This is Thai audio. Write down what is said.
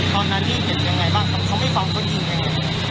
ตอนนั้นที่เห็นยังไงบ้างเขาไม่ฟังเครื่องกินยังไง